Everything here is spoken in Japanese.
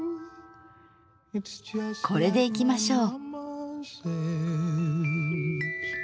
これでいきましょう。